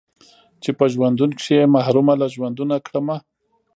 چې په ژوندون کښې يې محرومه له ژوندونه کړمه